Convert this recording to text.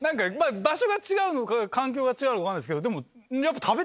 場所が違うのか環境が違うのか分かんないですけど。